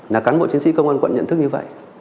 là cán bộ chiến sĩ công an quận nhận thức như vậy